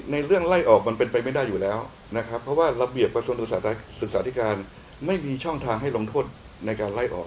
เรื่องไล่ออกมันเป็นไปไม่ได้อยู่แล้วนะครับเพราะว่าระเบียบกระทรวงศึกษาธิการไม่มีช่องทางให้ลงโทษในการไล่ออก